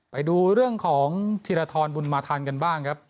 ไปดูเรื่องของธิรธรณบุญมาทันกันบ้าง